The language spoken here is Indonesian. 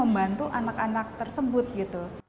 membantu anak anak tersebut gitu